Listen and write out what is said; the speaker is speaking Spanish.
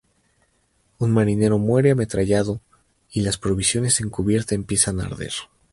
Un marinero muere ametrallado y las provisiones en cubierta empiezan a arder.